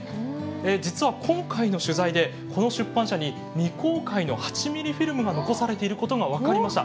実は今回の取材でこの出版社に未公開の８ミリフィルムが残されていることが分かりました。